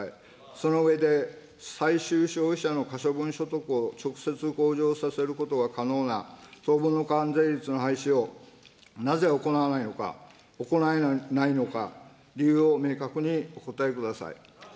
その上で、最終消費者の可処分所得を直接向上させることが可能な当分の間税率の廃止をなぜ行わないのか、行えないのか、理由を明確にお答えください。